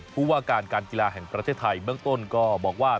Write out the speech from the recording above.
ผู้ว่าการการกีฬาแห่งประเทศไทยเบื้องต้นก็บอกว่า